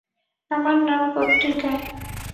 আমার নাম পত্রিকায়।